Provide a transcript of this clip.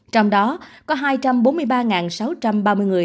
trong đó có hai trăm bốn mươi ba sáu trăm ba mươi người